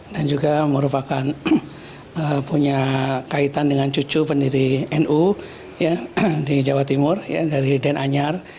dan juga merupakan punya kaitan dengan cucu pendiri nu di jawa timur dari den anyar